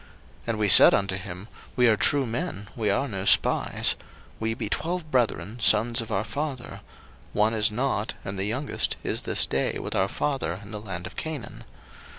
01:042:031 And we said unto him, We are true men; we are no spies: 01:042:032 We be twelve brethren, sons of our father; one is not, and the youngest is this day with our father in the land of Canaan.